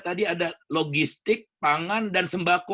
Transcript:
jadi ada logistik pangan dan sembako